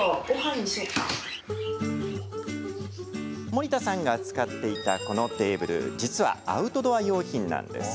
森田さんが使っていたこのテーブル実は、アウトドア用品です。